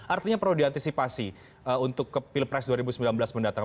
artinya perlu diantisipasi untuk ke pilpres dua ribu sembilan belas mendatang